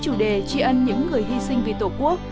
chủ đề tri ân những người hy sinh vì tổ quốc